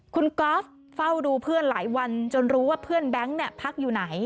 คุณก๊อฟเฝ้าดูเพื่อนหลายวันจนรู้ว่าเพื่อนแบงค์เนี่ยพักอยู่ไหน